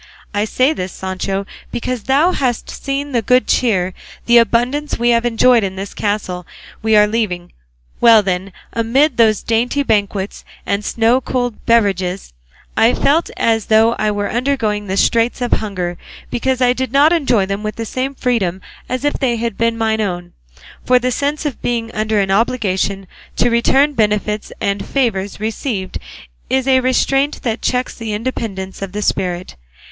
I say this, Sancho, because thou hast seen the good cheer, the abundance we have enjoyed in this castle we are leaving; well then, amid those dainty banquets and snow cooled beverages I felt as though I were undergoing the straits of hunger, because I did not enjoy them with the same freedom as if they had been mine own; for the sense of being under an obligation to return benefits and favours received is a restraint that checks the independence of the spirit.